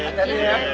berangkat dulu yuk